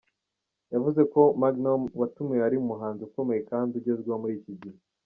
Yavuze ko Magnom watumiwe ari umuhanzi ukomeye kandi ugezweho muri iki gihe.